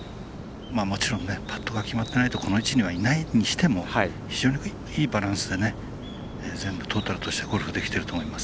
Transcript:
もちろん、パットが決まってないとこの位置にはいないにしても非常にいいバランスで全部トータルとしてゴルフできてると思います。